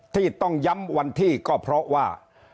ที่ต้องย้ำวันที่ก็เพราะว่า